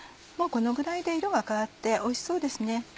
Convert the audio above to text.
もうこのぐらいで色が変わっておいしそうですね。